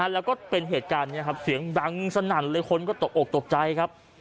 แล้วก็เป็นเหตุการณ์นี้ครับเสียงดังสนั่นเลยคนก็ตกอกตกใจครับ